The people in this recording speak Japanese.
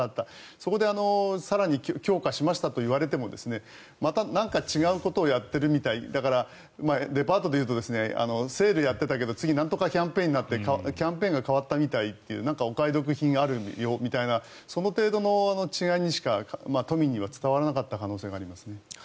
そこで更に強化しましたと言われてもまた、なんか違うことをやってるみたいだから、デパートでいうとセールをやっていたけど次なんとかキャンペーンやっていてキャンペーンが変わったみたいとなんか、お買い得品あるよみたいなその程度の違いにしか都民には伝わらなかった可能性がありますね。